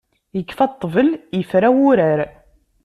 Ikfa ṭṭbel, ifra wurar.